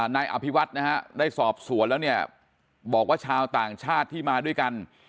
นายอภิวัฒน์นะฮะได้สอบสวนแล้วเนี่ยบอกว่าชาวต่างชาติที่มาด้วยกัน